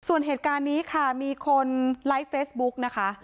ส่วนเหตุการณ์นี้ค่ะมีคนไลฟ์เฟซบุ๊กนะคะ